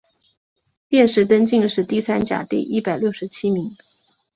殿试登进士第三甲第一百六十七名。